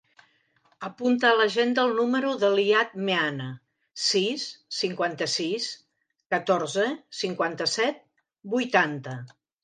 Apunta a l'agenda el número de l'Iyad Meana: sis, cinquanta-sis, catorze, cinquanta-set, vuitanta.